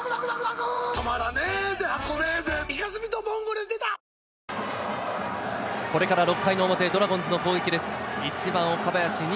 丸の当たりですが、これから６回の表、ドラゴンズの攻撃です。